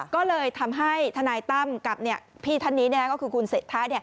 ก็เลยทำให้ทนายตั้มกับพี่ท่านนี้ก็คือคุณเศรษฐะ